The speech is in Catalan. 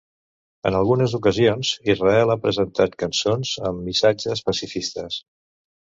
En algunes ocasions, Israel ha presentat cançons amb missatges pacifistes.